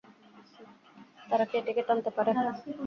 তারা কি এটিকে টানতে পারে?